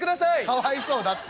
「かわいそうだって。